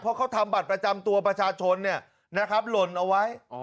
เพราะเขาทำบัตรประจำตัวประชาชนเนี่ยนะครับหล่นเอาไว้